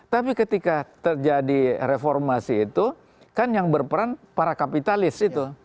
tapi ketika terjadi reformasi itu kan yang berperan para kapitalis itu